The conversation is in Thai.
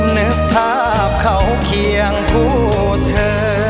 นึกภาพเขาเคียงผู้เธอ